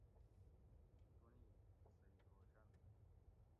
چُنڑیل: سعید روشن